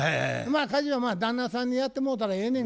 家事は旦那さんにやってもろたらええねん